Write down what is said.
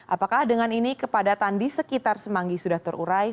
apakah dengan ini kepadatan di sekitar semanggi sudah terurai